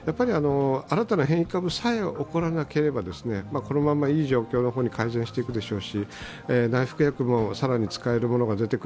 新たな変異株さえ起こらなければ、このままいい状況の方に改善していくでしょう。